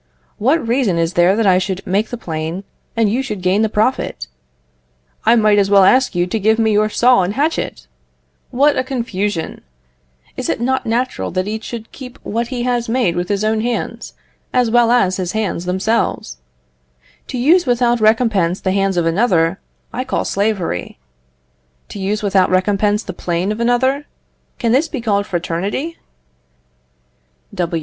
What reason is there that I should make the plane, and you should gain the profit? I might as well ask you to give me your saw and hatchet! What a confusion! Is it not natural that each should keep what he has made with his own hands, as well as his hands themselves? To use without recompense the hands of another, I call slavery; to use without recompense the plane of another, can this be called fraternity?